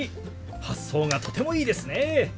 発想がとてもいいですね。